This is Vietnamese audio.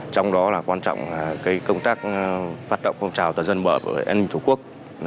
trong đó là quan trọng công tác phát động công trào tờ dân mở với an ninh thủ quốc